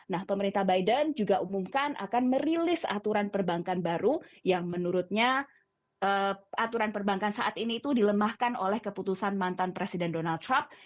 nah pemerintah biden juga umumkan akan merilis aturan perbankan baru yang menurutnya aturan perbankan saat ini itu dilemahkan oleh keputusan mantan presiden donald trump